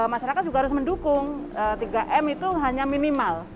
masyarakat juga harus mendukung tiga m itu hanya minimal